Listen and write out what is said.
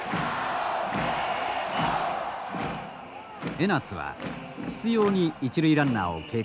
江夏は執ように一塁ランナーを警戒する。